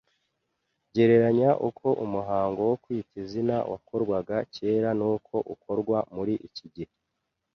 ” gereranya uko umuhango wo kwita izina wakorwaga kera n’uko ukorwa muri iki gihe